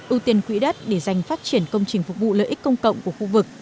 ưu tiên quỹ đất để giành phát triển công trình phục vụ lợi ích công cộng của khu vực